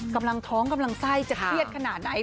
กำลังท้องกำลังไส้จะเครียดขนาดไหน